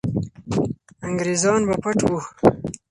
انګریزان به پټ وو.